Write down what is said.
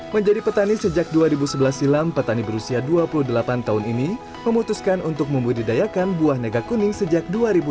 menjadi petani sejak dua ribu sebelas silam petani berusia dua puluh delapan tahun ini memutuskan untuk membudidayakan buah naga kuning sejak dua ribu delapan belas